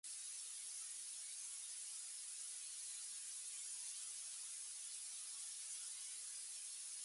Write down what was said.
It is set in mostly in County Durham where Unsworth grew up.